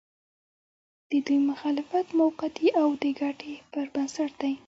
د دوی مخالفت موقعتي او د ګټې پر بنسټ دی.